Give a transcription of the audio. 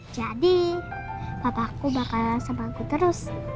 jadi papaku bakal sama aku terus